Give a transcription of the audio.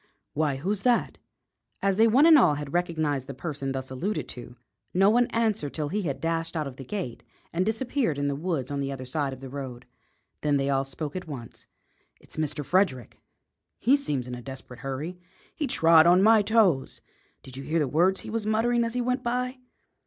"Why, who's that?" As they one and all had recognised the person thus alluded to, no one answered till he had dashed out of the gate and disappeared in the woods on the other side of the road. Then they all spoke at once. "It's Mr. Frederick!" "He seems in a desperate hurry." "He trod on my toes." "Did you hear the words he was muttering as he went by?"